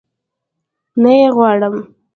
نه يي غواړم